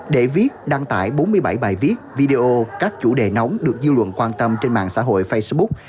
để viết đăng tải bốn mươi bảy bài viết video các chủ đề nóng được dư luận quan tâm trên mạng xã hội facebook